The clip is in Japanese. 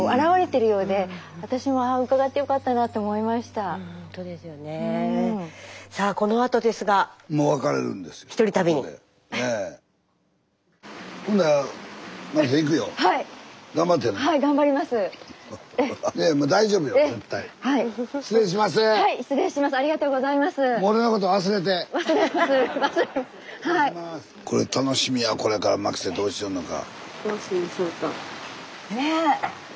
スタジオこれ楽しみやこれから牧瀬どうすんのか。